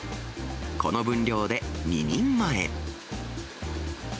この分量で２人前。